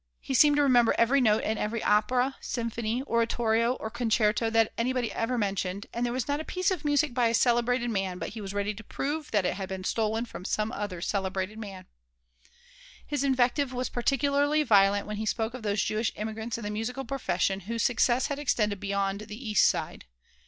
He seemed to remember every note in every opera, symphony, oratorio, or concerto that anybody ever mentioned, and there was not a piece of music by a celebrated man but he was ready to "prove" that it had been stolen from some other celebrated man His invective was particularly violent when he spoke of those Jewish immigrants in the musical profession whose success had extended beyond the East Side.